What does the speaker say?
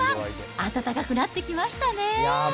暖かくなってきましたね。